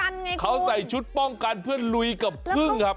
เขาใส่ชุดป้องกันเพื่อลุยกับพึ่งครับ